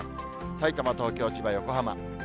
さいたま、東京、千葉、横浜。